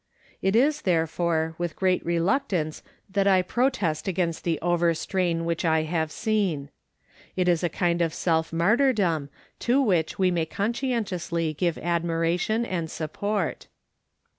It is, therefore, with great reluctance, that I protest against the overstrain which I have seen. It is a kind of self martyrdom to which we may conscien tiously give admiration and support.